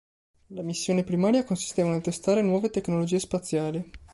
La missione primaria consisteva nel testare nuove tecnologie spaziali.